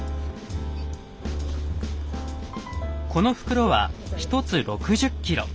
この袋は１つ６０ｋｇ。